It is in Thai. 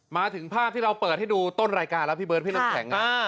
มาถึงภาพที่เราเปิดให้ดูต้นรายการแล้วพี่เบิร์ดพี่น้ำแข็ง